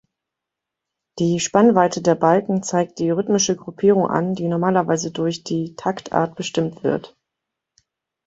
Die Spannweite der Balken zeigt die rhythmische Gruppierung an, die normalerweise durch die Taktart bestimmt wird.